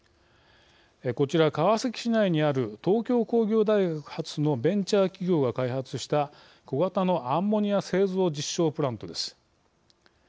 こちら、川崎市内にある東京工業大学発のベンチャー企業が開発した小型のアンモニア製造実証プラントです。